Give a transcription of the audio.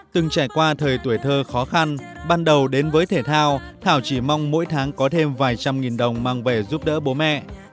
từng trải qua thời tuổi thơ khó khăn ban đầu đến với thể thao thảo chỉ mong mỗi tháng có thêm vài trăm nghìn đồng mang về giúp đỡ bố mẹ